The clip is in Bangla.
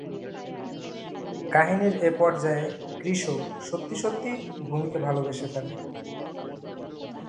কাহিনির এক পর্যায়ে "কৃষ" সত্যি সত্যিই "ভূমি"কে ভালবেসে ফেলে।